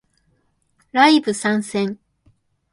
ライブ参戦